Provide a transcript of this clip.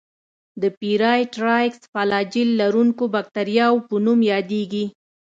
د پېرایټرایکس فلاجیل لرونکو باکتریاوو په نوم یادیږي.